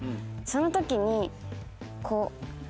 そのときにこう。